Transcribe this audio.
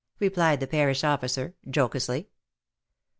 replied the parish officer jocosely.